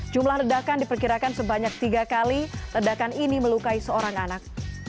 jumlah ledakan diperkirakan sebanyak tiga kali ledakan ini melukai seorang anak